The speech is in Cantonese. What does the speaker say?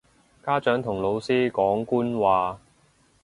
家長同老師講官話